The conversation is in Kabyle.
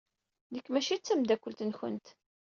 Nekk maci d tameddakelt-nwent.